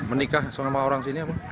menikah sama orang sini apa